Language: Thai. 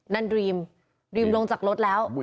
นั่นดรีมดรีมลงจากรถแล้ว